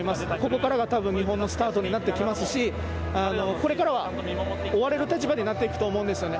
ここからが日本のスタートになってくると思いますし、これからは追われる立場になってくると思うんですよね。